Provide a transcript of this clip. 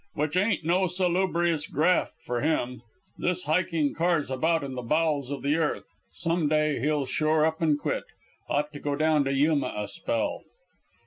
Which ain't no salubrious graft for him this hiking cars about in the bowels of the earth, Some day he'll sure up an' quit. Ought to go down to Yuma a spell."